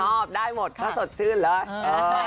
ชอบได้หมดค่ะสดชื่นแล้ว